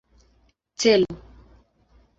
Celu!